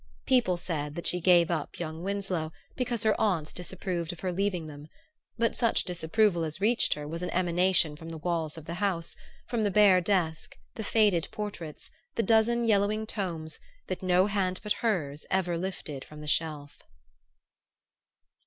People said that she gave up young Winsloe because her aunts disapproved of her leaving them; but such disapproval as reached her was an emanation from the walls of the House, from the bare desk, the faded portraits, the dozen yellowing tomes that no hand but hers ever lifted from the shelf.